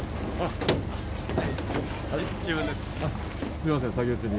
すいません作業中に。